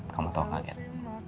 kamu tahu gak kate